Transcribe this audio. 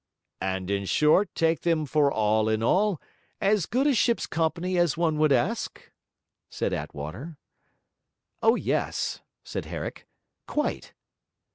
'And, in short, take them for all in all, as good a ship's company as one would ask?' said Attwater. 'O yes,' said Herrick, 'quite.'